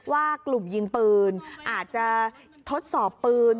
ว่ากลุ่มยิงปืนอาจจะทดสอบปืน